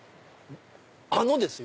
「あの」ですよ。